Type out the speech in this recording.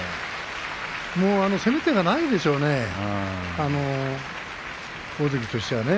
もう攻め手がないでしょうね大関としてはね